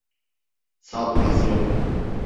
Sabıkası yok.